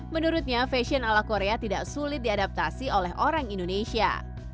menurutnya fashion ala korea tidak sulit diadaptasi oleh orang indonesia